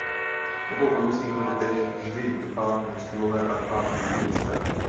V obou komisích byli též vždy dva muslimové a dva hinduisté.